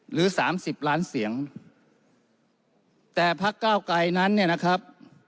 หรือ๓๐ล้านเสียงแต่ภาคเก้าไกรนั้นนะครับ